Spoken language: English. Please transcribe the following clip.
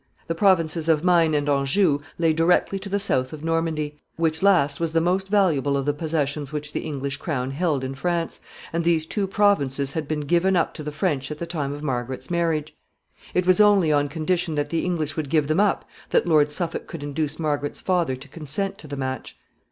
The provinces of Maine and Anjou lay directly to the south of Normandy, which last was the most valuable of the possessions which the English crown held in France, and these two provinces had been given up to the French at the time of Margaret's marriage. It was only on condition that the English would give them up that Lord Suffolk could induce Margaret's father to consent to the match.